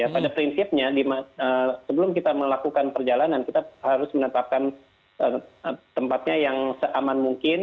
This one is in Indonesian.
pada prinsipnya sebelum kita melakukan perjalanan kita harus menetapkan tempatnya yang seaman mungkin